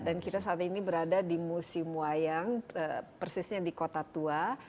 dan kita saat ini berada di museum wayang persisnya di kota tua